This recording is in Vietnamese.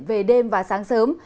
về đêm và sáng sớm